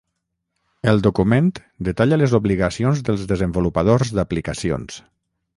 El document detalla les obligacions dels desenvolupadors d'aplicacions.